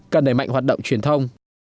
cần đẩy mạnh hoạt động truyền thông